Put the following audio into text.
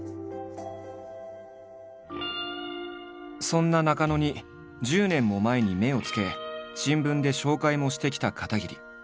そんな中野に１０年も前に目をつけ新聞で紹介もしてきた片桐。